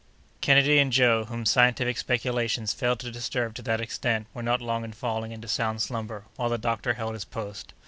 Kennedy and Joe, whom scientific speculations failed to disturb to that extent, were not long in falling into sound slumber, while the doctor held his post.